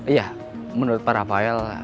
iya menurut pak rafael